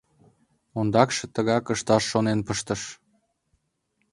Ондакше тыгак ышташ шонен пыштыш.